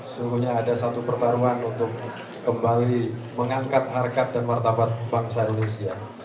semuanya ada satu pertarungan untuk kembali mengangkat harkat dan martabat bangsa indonesia